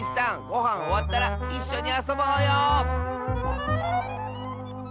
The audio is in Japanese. ごはんおわったらいっしょにあそぼうよ！